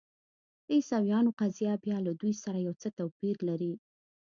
د عیسویانو قضیه بیا له دوی سره یو څه توپیر لري.